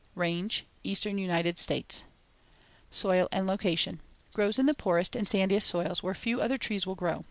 Range: Eastern United States. Soil and location: Grows in the poorest and sandiest soils where few other trees will grow.